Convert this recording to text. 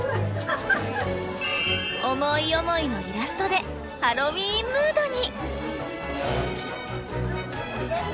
思い思いのイラストでハロウィーンムードに！